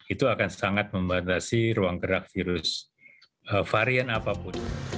itu akan sangat membatasi ruang gerak virus varian apapun